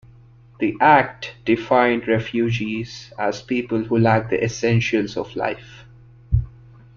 The act defined refugees as people who lack the essentials of life.